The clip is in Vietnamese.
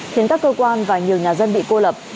khiến các cơ quan và nhiều nhà dân bị cô lập